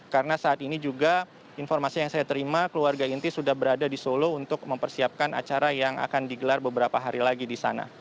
karena saat ini juga informasi yang saya terima keluarga inti sudah berada di solo untuk mempersiapkan acara yang akan digelar beberapa hari lagi di sana